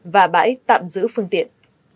và bãi tạm giữ phương tiện